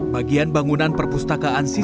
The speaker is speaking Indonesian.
bagian bangunan perpustakaan